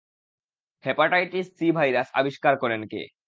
Hepatitis C virus আবিষ্কার করেন কে?